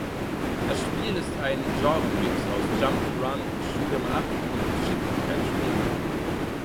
Das Spiel ist ein Genremix aus Jump ’n’ Run, Shoot ’em up und Geschicklichkeitsspiel.